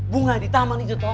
bunga di taman itu paling banyak